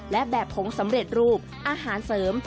และแบบผงสำเร็จรูปอาหารเสริม